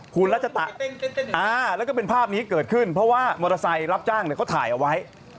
คุณรัชตะแล้วก็เป็นภาพนี้เกิดขึ้นเพราะว่ามอเตอร์ไซค์รับจ้างเขาถ่ายเอาไว้